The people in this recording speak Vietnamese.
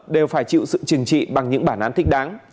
đều phải chịu sự trừng trị bằng những bản án thích đáng